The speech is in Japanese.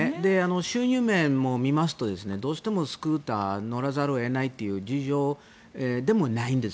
収入面も見ますとどうしてもスクーターに乗らざるを得ないという事情でもないんです。